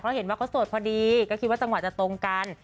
เพราะเห็นว่าเขาโสดพอดีก็คิดว่าจังหวะจะตรงกัน